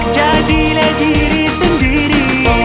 jadilah diri sendiri